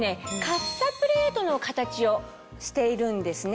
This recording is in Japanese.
カッサプレートの形をしているんですね。